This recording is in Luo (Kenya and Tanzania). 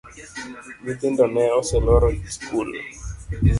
Nyithindo ne oseloro sikul